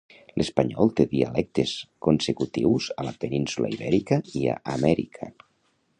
L'espanyol té dialectes consecutius a la península Ibèrica i a Amèrica.